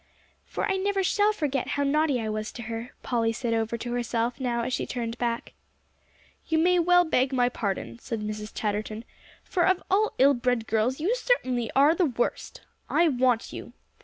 "For I never shall forget how naughty I was to her," Polly said over to herself now as she turned back. "You may well beg my pardon," said Mrs. Chatterton, "for of all ill bred girls, you are certainly the worst. I want you."